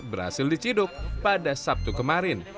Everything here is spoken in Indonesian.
berhasil diciduk pada sabtu kemarin